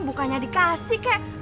bukannya dikasih kek